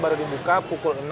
baru dibuka pukul enam